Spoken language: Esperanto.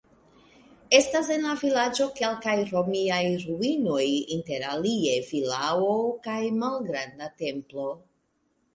Estas en la vilaĝo kelkaj romiaj ruinoj, interalie vilao kaj malgranda templo.